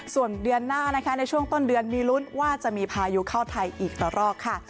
ส่วนเดือนหน้านะคะในช่วงต้นเดือนมีลุ้นว่าจะมีพายุเข้าไทยอีกต่อรอกค่ะ